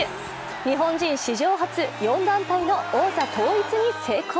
日本新史上初４団体の王座統一に成功。